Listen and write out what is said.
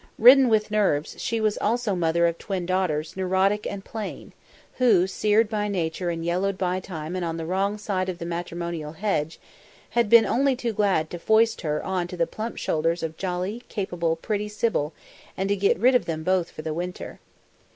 Ridden with nerves, she was also mother of twin daughters neurotic and plain who, sered by nature and yellowed by time and on the wrong side of the matrimonial hedge, had been only too glad to foist her on to the plump shoulders of jolly, capable, pretty Sybil and to get rid of them both for the winter.